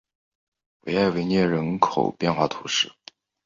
维埃维涅人口变化图示